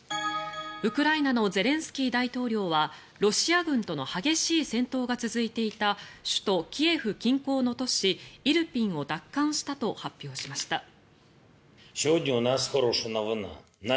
ウクライナのゼレンスキー大統領はロシア軍との激しい戦闘が続いていた首都キエフ近郊の都市イルピンを奪還したと発表しました。